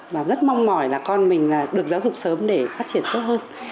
và rất mong mỏi là con mình được giáo dục sớm để phát triển tốt hơn